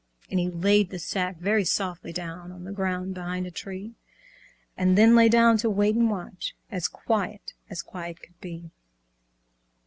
And he laid the sack very softly down On the ground behind a tree, And then lay down to wait and watch, As quiet as quiet could be.